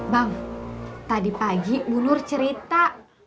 bang tadi pagi ulur cerita